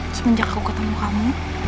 semenjak aku ketemu kamu